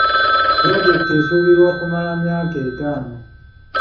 Pulojekiti esuubirwa okumala emyaka etaano.